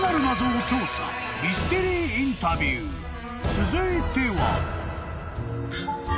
［続いては］